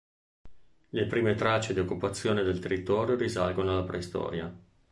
Le prime tracce di occupazione del territorio risalgono alla preistoria.